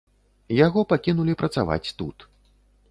Яго пакінулі працаваць тут.